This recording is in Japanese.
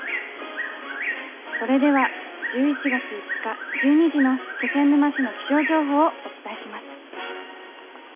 それでは１１月５日１２時の気仙沼市の気象情報をお伝えします。